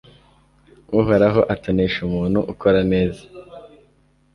Uhoraho atonesha umuntu ukora neza